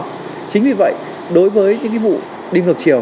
chính vì vậy đối với những vụ